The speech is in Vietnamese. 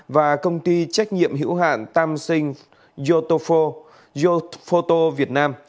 và công ty trách nhiệm hữu hạn tam sinh yotofoto việt nam